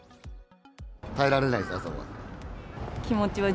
耐えられないです、朝は。